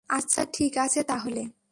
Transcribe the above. আচ্ছা, ঠিক আছে তাহলে।